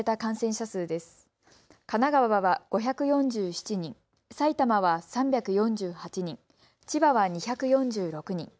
神奈川は５４７人、埼玉は３４８人、千葉は２４６人。